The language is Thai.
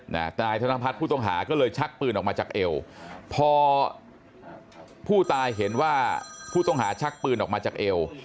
นายธนพัฒน์ผู้ต้องหาก็เลยชักปืนออกมาจากเอวพอผู้ตายเห็นว่าผู้ต้องหาชักปืนออกมาจากเอว